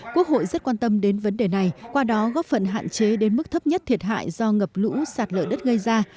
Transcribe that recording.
quốc hội rất quan tâm đến vấn đề này qua đó góp phần hạn chế đến mức thấp nhất thiệt hại do ngập lũ sạt lở đất gây ra